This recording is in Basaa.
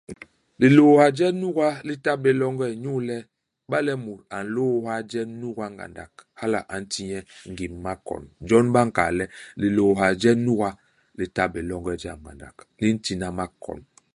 Lilôôha je nuga li ta bé longe inyu le, iba le mut a nlôôha je nuga ngandak, hala a nti nye ngim i makon. Jon ba nkal le lilôôha je nuga li ta bé longe i jam ngandak. Li ntina makon.